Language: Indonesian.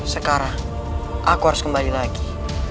sekarang aku harus kembali lagi